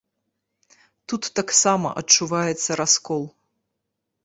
Тут таксама адчуваецца раскол.